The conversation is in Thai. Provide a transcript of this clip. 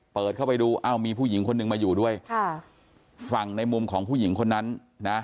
เปิดเข้าไปดูอ้าวมีผู้หญิงคนหนึ่งมาอยู่ด้วยค่ะฝั่งในมุมของผู้หญิงคนนั้นนะ